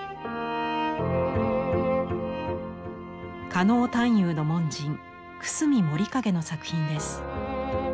狩野探幽の門人久隅守景の作品です。